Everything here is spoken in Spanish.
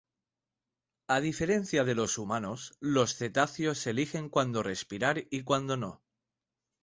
A diferencia de los humanos, los cetáceos eligen cuando respirar y cuando no.